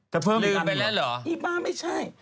จะเพิ่มอีกอันเหรอลืมไปแล้วเหรออีบ้าไม่ใช่